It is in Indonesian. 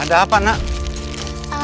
ada apa nak